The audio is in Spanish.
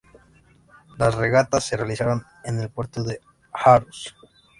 Las regatas se realizaron en el puerto de Aarhus.